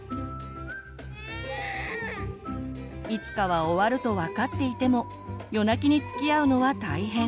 いつかは終わると分かっていても夜泣きにつきあうのは大変。